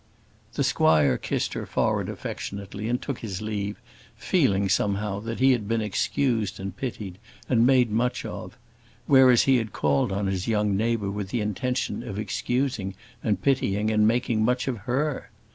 The squire kissed her forehead affectionately and took his leave, feeling, somehow, that he had been excused and pitied, and made much of; whereas he had called on his young neighbour with the intention of excusing, and pitying, and making much of her.